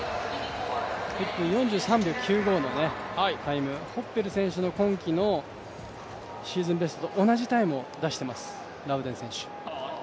１分４３秒９５のタイム、ホッペル選手の今季のシーズンベストと同じタイムを出しています。